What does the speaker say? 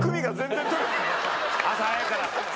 朝早いから。